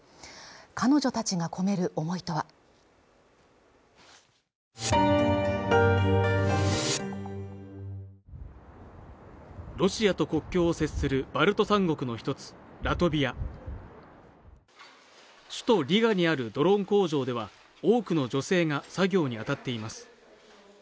彼女たちが込める思いとはロシアと国境を接するバルト三国の一つラトビア首都リガにあるドローン工場では多くの女性が作業に当たっています